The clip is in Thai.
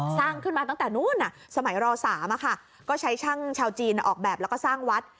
สร้างขึ้นมาตั้งแต่นู้นสมัยร๓ก็ใช้ช่างชาวจีนออกแบบแล้วก็สร้างวัด